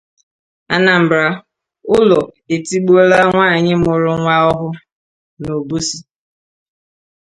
Anambra: Ụlọ Etigbuola Nwaanyị Mụrụ Nwa Ọhụụ n'Obosi